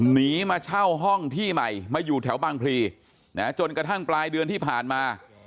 หนีมาเช่าห้องที่ใหม่มาอยู่แถวบางพลีจนกระทั่งปลายเดือนที่ผ่านมา